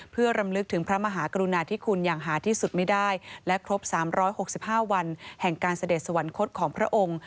เพื่อรำลึกถึงพระมหากรุณาธิคุณอย่างหาที่สุดไม่ได้และครบ๓๖๕วันแห่งการเสด็จสวรรคตของพระองค์